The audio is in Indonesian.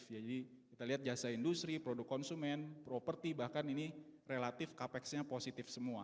jadi kita lihat jasa industri produk konsumen property bahkan ini relatif capex nya positif semua